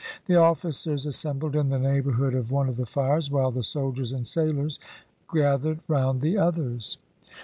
The officers assembled in the neighbourhood of one of the fires, while the soldiers and sailors gathered round the others.